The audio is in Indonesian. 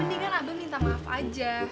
mendingan abah minta maaf aja